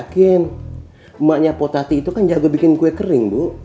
emaknya potati itu kan jago bikin kue kering bu